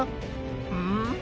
うん？